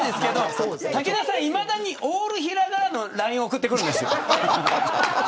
武田さん、いまだにオール平仮名のＬＩＮＥ送ってくるんです。